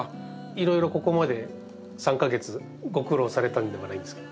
いろいろここまで３か月ご苦労されたんではないですか？